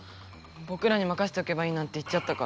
ぼくらにまかせておけばいいなんて言っちゃったから。